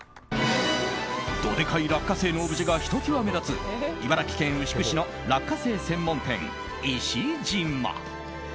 どでかい落花生のオブジェがひときわ目立つ茨城県牛久市の落花生専門店いしじま。